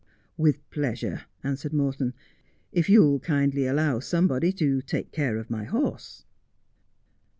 'With pleasure,' answered Morton, 'if you'll kindly allow somebody to take care of my horse.'